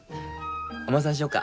お馬さんしようか？